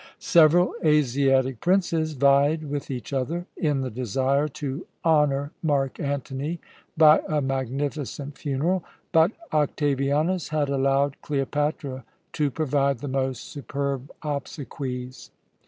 Several Asiatic princes vied with each other in the desire to honour Mark Antony by a magnificent funeral, but Octavianus had allowed Cleopatra to provide the most superb obsequies.